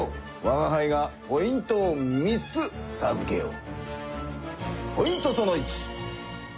わがはいがポイントを３つさずけよう。